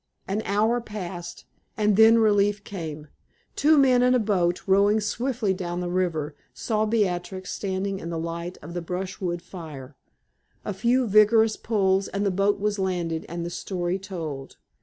An hour passed, and then relief came. Two men in a boat, rowing swiftly down the river, saw Beatrix standing in the light of the brushwood fire. A few vigorous pulls and the boat was landed, and the story told.